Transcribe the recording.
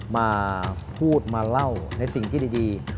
มาพูดมาเล่าในสิ่งที่ดี